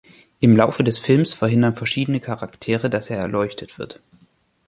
Im Laufe des Films verhindern verschiedene Charaktere, dass er erleuchtet wird.